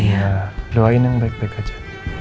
ya doain yang baik baik aja